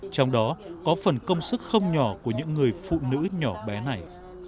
trong đó có phần công sức không nhỏ của những người phụ nữ nhỏ bé này